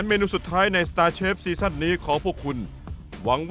เมนูนี้นั้น